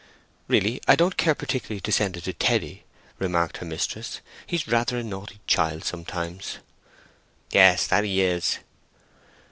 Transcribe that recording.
"Really, I don't care particularly to send it to Teddy," remarked her mistress. "He's rather a naughty child sometimes." "Yes—that he is."